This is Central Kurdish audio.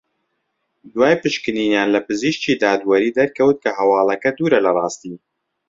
دوای پشکنینیان لە پزیشکی دادوەری دەرکەوت کە هەواڵەکە دوورە لە راستی